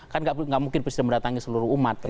kan nggak mungkin presiden mendatangi seluruh umat